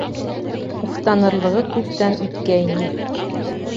Уфтанырлығы күптән үткәйне.